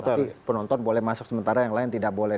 tapi penonton boleh masuk sementara yang lain tidak boleh